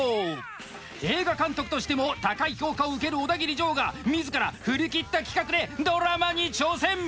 映画監督としても高い評価を受けるオダギリジョーがみずから振り切った企画でドラマに挑戦！